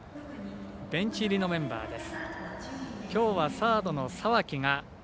ベンチ入りのメンバーです。